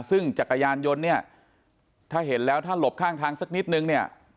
ซึ่งจักรยานยนต์เนี่ยถ้าเห็นแล้วถ้าหลบข้างทางสักนิดนึงเนี่ย